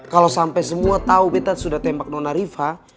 kalau sampai semua tahu kita sudah tembak nona riva